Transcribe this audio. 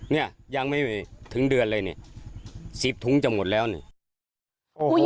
เนี่ยยังไม่ถึงเดือนเลยเนี่ยสิบถุงจะหมดแล้วเนี่ยโอ้โห